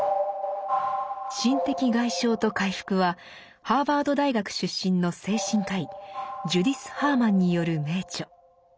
「心的外傷と回復」はハーバード大学出身の精神科医ジュディス・ハーマンによる名著。